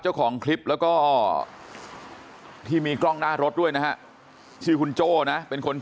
เจ้าของคลิปแล้วก็ที่มีกล้องหน้ารถด้วยนะฮะชื่อคุณโจ้นะเป็นคน